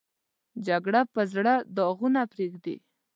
جګړه په زړه داغونه پرېږدي